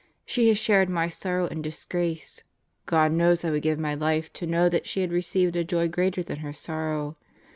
She has shared my sorrow and disgrace. God knows I would give my life to know that she had received a joy greater than her sorrow.